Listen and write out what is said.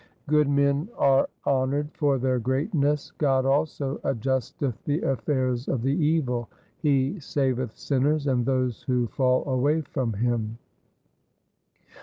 Good men are honoured for their greatness ; God also adjusteth the affairs of the evil : He saveth sinners and those who fall away from Him.'